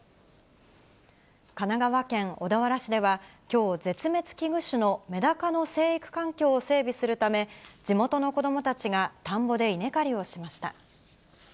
神奈川県小田原市では、きょう、絶滅危惧種のメダカの生育環境を整備するため、地元の子どもたちが田んぼで稲刈りをしました。